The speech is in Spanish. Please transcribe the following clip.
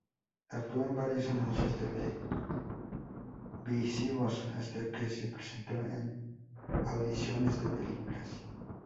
Actuó en varios anuncios televisivos hasta que se presentó a audiciones de películas.